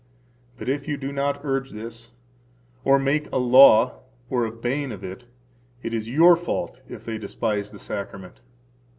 But if you do not urge this, or make a law or a bane of it, it is your fault if they despise the Sacrament.